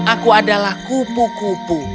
aku adalah kupu kupu